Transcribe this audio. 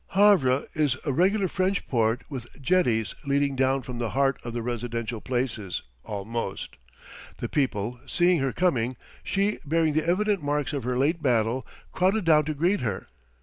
Havre is a regular French port with jetties leading down from the heart of the residential places almost. The people, seeing her coming, she bearing the evident marks of her late battle, crowded down to greet her.